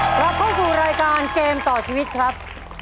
กลับเข้าสู่รายการเกมต่อชีวิตครับ